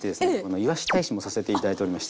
いわし大使もさせて頂いておりまして。